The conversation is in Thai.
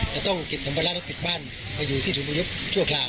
จะต้องเก็บทำบรรทักษ์ปิดบ้านไปอยู่ที่ศูนยบชั่วคราว